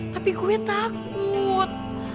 tapi gue takut